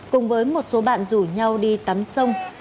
cùng với một số bạn rủ nhau đi tắm sông